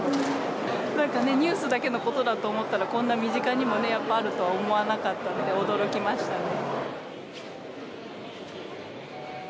なんかね、ニュースだけのことだと思ったら、こんな身近にもね、やっぱあるとは思わなかったので、驚きましたね。